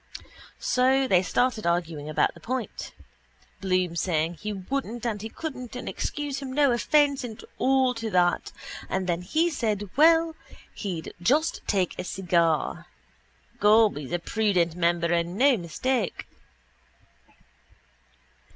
So they started arguing about the point, Bloom saying he wouldn't and he couldn't and excuse him no offence and all to that and then he said well he'd just take a cigar. Gob, he's a prudent member and no mistake.